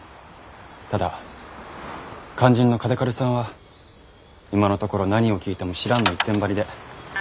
ただ肝心の嘉手刈さんは今のところ何を聞いても「知らん」の一点張りで。